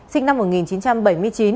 sinh năm một nghìn chín trăm bảy mươi chín